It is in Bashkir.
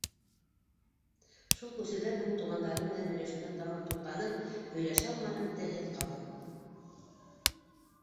Шул күсенеүҙән һуң туғандарым менән һөйләшеүҙән тамам туҡтаным, һөйләшә алманым, «телһеҙ ҡалдым».